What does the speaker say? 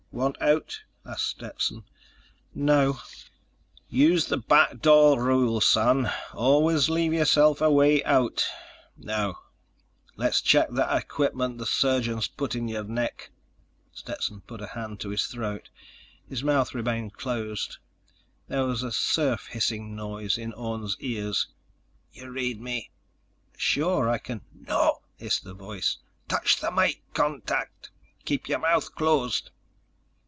"Want out?" asked Stetson. "No." "Use the back door rule, son. Always leave yourself a way out. Now ... let's check that equipment the surgeons put in your neck." Stetson put a hand to his throat. His mouth remained closed, but there was a surf hissing voice in Orne's ears: "You read me?" "Sure. I can—" "No!" hissed the voice. "Touch the mike contact. Keep your mouth closed.